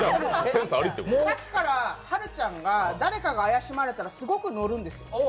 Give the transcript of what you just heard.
さっきから、はるちゃんが誰かが怪しまれたらすごい乗るんですよ。